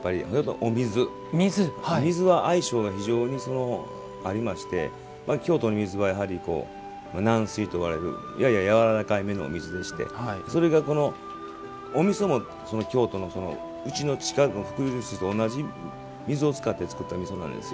お水は相性が非常にありまして京都の水は、軟水と呼ばれるやややわらかめの水でしてそれが、おみその京都のうちの近くの伏流水と同じ水を使ったおみそなんです。